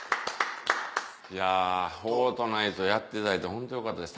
いや『フォートナイト』やっていただいてホントよかったです。